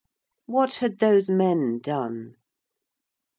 What had those men done?